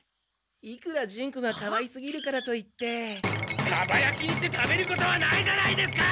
いくらジュンコがかわいすぎるからといってかばやきにして食べることはないじゃないですか！